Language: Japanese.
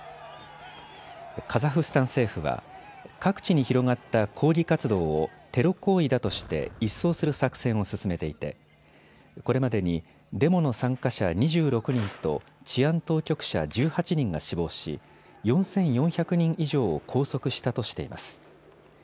カザフスタン政府は各地に広がった抗議活動をテロ行為だとして一掃する作戦を進めていてこれまでにデモの参加者２６人と治安当局者１８人が死亡し４４００人以上を拘束したとしています。